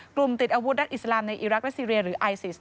ติดอาวุธรัฐอิสลามในอีรักและซีเรียหรือไอซิส